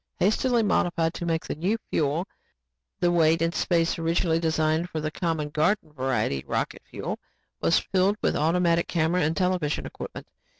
Hastily modified to take the new fuel, the weight and space originally designed for the common garden variety of rocket fuel was filled with automatic camera and television equipment.